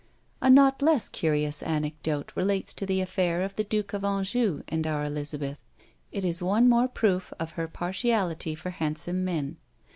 A not less curious anecdote relates to the affair of the Duke of Anjou and our Elizabeth; it is one more proof of her partiality for handsome men.